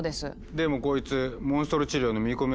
でもこいつモンストロ治療の見込みあるだろ。